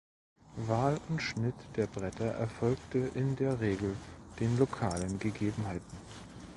Wahl und Schnitt der Bretter erfolgte in der Regel den lokalen Gegebenheiten.